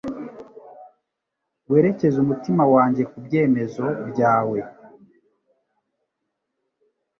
Werekeze umutima wanjye ku byemezo byawe